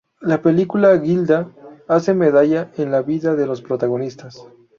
La película "Gilda" hace mella en la vida de los protagonistas.